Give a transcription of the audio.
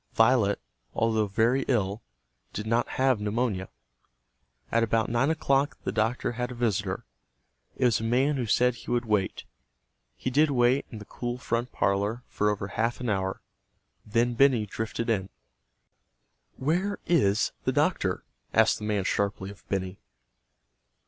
Violet, although very ill, did not have pneumonia. At about nine o'clock the doctor had a visitor. It was a man who said he would wait. He did wait in the cool front parlor for over half an hour. Then Benny drifted in. "Where is the doctor?" asked the man sharply of Benny.